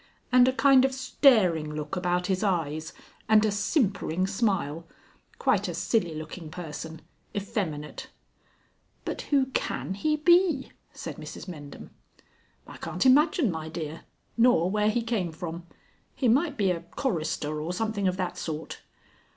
"And a kind of staring look about his eyes, and a simpering smile. Quite a silly looking person. Effeminate." "But who can he be?" said Mrs Mendham. "I can't imagine, my dear. Nor where he came from. He might be a chorister or something of that sort."